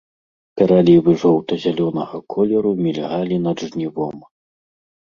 Пералівы жоўта-зялёнага колеру мільгалі над жнівом.